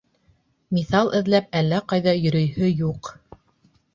Миҫал эҙләп әллә ҡайҙа йөрөйһө юҡ.